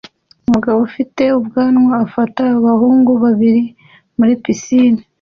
Umugabo ufite ubwanwa afata abahungu babiri muri pisine